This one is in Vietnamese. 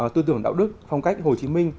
tư tưởng đạo đức phong cách hồ chí minh